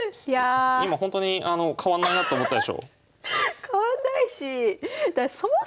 今ほんとに変わんないなと思ったでしょ？